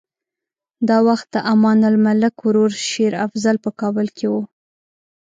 دا وخت د امان الملک ورور شېر افضل په کابل کې و.